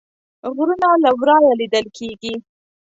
غرونه له ورایه لیدل کیږي